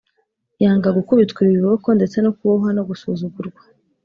Yanga gukubitwa ibiboko ndetse no kubohwa no gusuzugurwa